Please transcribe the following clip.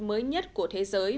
mới nhất của thế giới